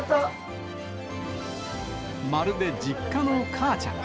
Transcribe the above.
まるで実家の母ちゃん。